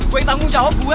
gue yang tanggung jawab gue